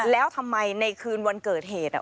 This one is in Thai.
แล้วทำไมในคืนวันเกิดเหตุ